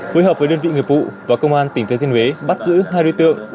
với hợp với đơn vị nghiệp vụ và công an tỉnh thế tiên huế bắt giữ hai đối tượng